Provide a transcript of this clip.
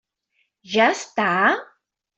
Ja està?